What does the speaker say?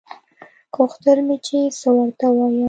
غوښتل مې چې څه ورته ووايم.